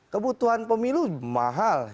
kebutuhan pemilu mahal